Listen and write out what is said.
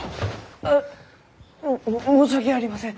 うっ！も申し訳ありません！